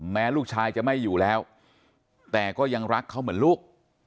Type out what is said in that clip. แม้ลูกชายจะไม่อยู่แล้วแต่ก็ยังรักเขาเหมือนลูก